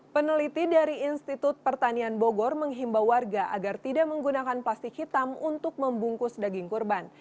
peneliti dari institut pertanian bogor menghimbau warga agar tidak menggunakan plastik hitam untuk membungkus daging kurban